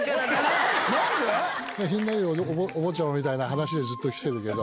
品のいいお坊ちゃまみたいな話でずっときてるけど。